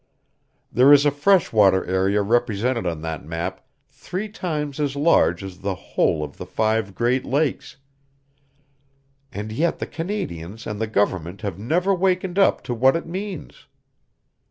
There is a fresh water area represented on that map three times as large as the whole of the five Great Lakes, and yet the Canadians and the government have never wakened up to what it means.